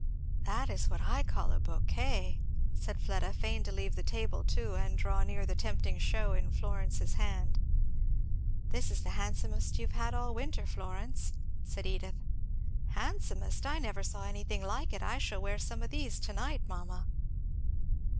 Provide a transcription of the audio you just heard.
"That is what I call a bouquet," said Fleda, fain to leave the table too and draw near the tempting shew in Florence's hand. "This is the handsomest you have had all winter, Florence," said Edith. "Handsomest! I never saw anything like it. I shall wear some of these to night, mamma."